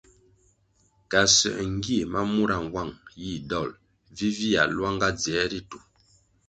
Kasuer ngie ma mura nwang yih dol vivia luanga dzier ritu.